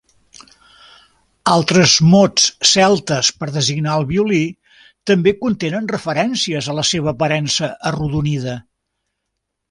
Altres mots celtes per designar el violí també contenen referències a la seva aparença arrodonida.